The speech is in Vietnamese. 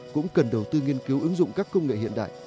cũng cần đầu tư nghiên cứu ứng dụng các công nghệ hiện đại